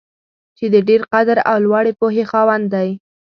چې د ډېر قدر او لوړې پوهې خاوند دی.